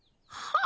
ああ。